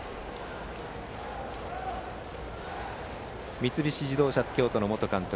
三菱自動車京都の元監督